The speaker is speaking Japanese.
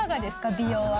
美容は。